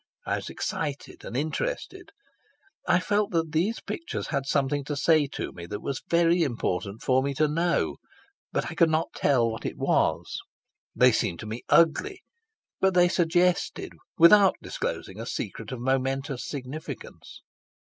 I was excited and interested. I felt that these pictures had something to say to me that was very important for me to know, but I could not tell what it was. They seemed to me ugly, but they suggested without disclosing a secret of momentous significance.